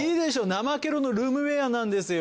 ナマケロのルームウェアなんですよ。